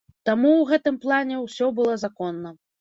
Таму ў гэтым плане ўсё было законна.